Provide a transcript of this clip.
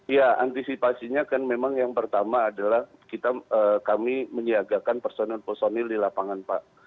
ya antisipasinya kan memang yang pertama adalah kami menyiagakan personil personil di lapangan pak